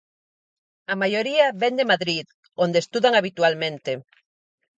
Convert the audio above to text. A maioría vén de Madrid, onde estudan habitualmente.